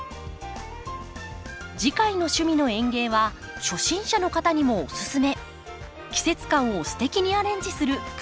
次回の「趣味の園芸」は初心者の方にもおすすめ